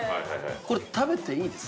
◆これ食べていいです。